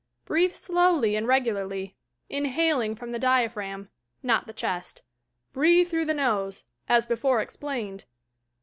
Breathe slowly and regularly, inhaling from the diaphragm, not the chest. Breathe through the nose, as before explained.